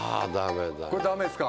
これダメですか？